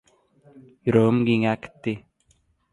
Ýüregim giňäp gitdi.